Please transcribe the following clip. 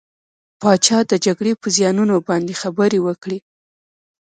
پاچا د جګرې په زيانونو باندې خبرې وکړې .